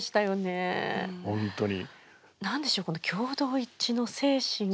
何でしょう共同一致の精神が。